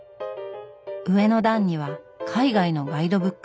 上の段には海外のガイドブック。